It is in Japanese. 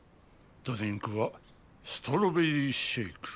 ドリンクはストロベリーシェイク。